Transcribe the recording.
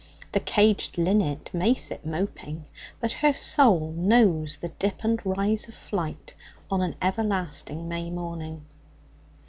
The caged linnet may sit moping, but her soul knows the dip and rise of flight on an everlasting May morning.